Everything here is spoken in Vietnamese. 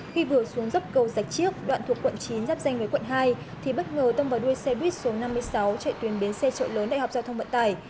khi vừa xuống dốc cầu dạch chiếc đoạn thuộc quận chín giáp danh với quận hai thì bất ngờ tông vào đuôi xe buýt số năm mươi sáu chạy tuyến bến xe trợ lớn đại học giao thông vận tải